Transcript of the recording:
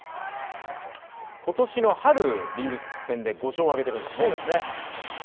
今年の春、リーグ戦で５勝挙げているんですね。